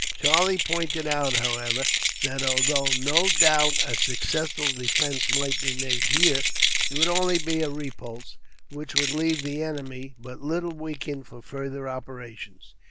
Charlie pointed out, however, that although no doubt a successful defence might be made here, it would only be a repulse, which would leave the enemy but little weakened for further operations.